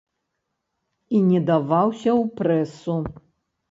І не даваўся ў прэсу.